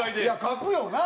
描くよな？